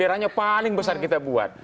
daerahnya paling besar kita buat